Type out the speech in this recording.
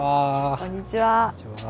こんにちは。